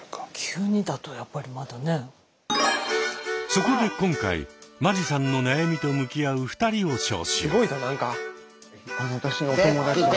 そこで今回間地さんの悩みと向き合う２人を招集。